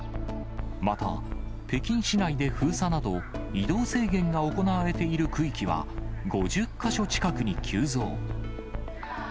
また、北京市内で封鎖など移動制限が行われている区域は、５０か所近くに急増。